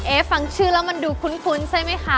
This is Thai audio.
ฟังชื่อแล้วมันดูคุ้นใช่ไหมคะ